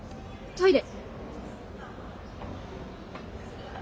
トイレ！